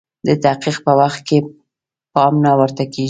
د تحقیق په وخت کې پام نه ورته کیږي.